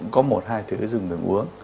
cũng có một hai thứ dùng đường uống